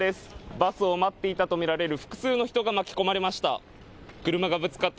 バスを待っていたと見られる複数の人が巻き込まれました。